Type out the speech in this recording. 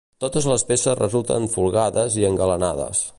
Totes les peces resulten folgades i engalanades.